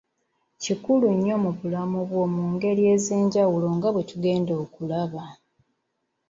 Kikulu nnyo mu bulamu bwo mu ngeri ez’enjawulo nga bwe tugenda okulaba.